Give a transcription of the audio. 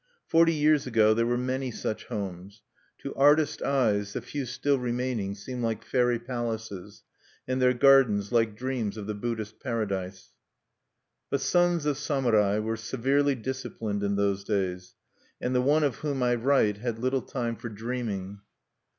Forty years ago there were many such homes. To artist eyes the few still remaining seem like fairy palaces, and their gardens like dreams of the Buddhist paradise. But sons of samurai were severely disciplined in those days; and the one of whom I write had little time for dreaming.